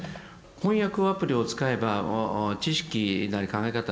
翻訳アプリを使えばもう知識なり考え方